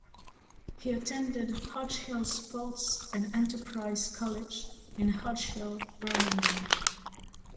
He attended Hodge Hill Sports and Enterprise College, in Hodge Hill, Birmingham.